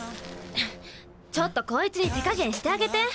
ちょっとこいつに手加減してあげて！